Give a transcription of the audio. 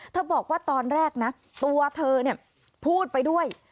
บอกว่าตอนแรกนะตัวเธอพูดไปด้วย